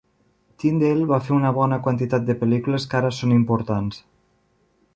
Tindale va fer una bona quantitat de pel·lícules que ara són importants.